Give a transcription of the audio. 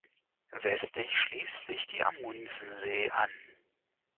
Westlich schließt sich die Amundsen-See an.